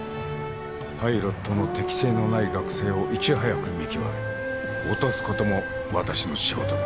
パイロットの適性のない学生をいち早く見極め落とすことも私の仕事だ。